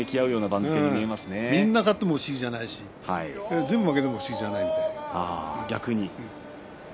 みんな勝っても不思議じゃないし全部負けても不思議じゃない。